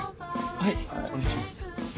はいお願いします。